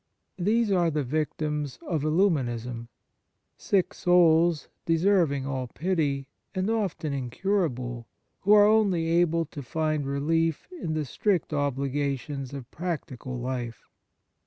These are the victims of illuminism, sick souls deserving all pity, and often incurable, who are only able to find relief in the strict obliga tions of practical life.